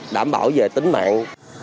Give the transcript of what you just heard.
đảm bảo về tính mạng